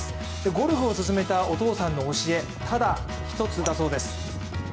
ゴルフを勧めたお父さんの教えただ一つだそうです。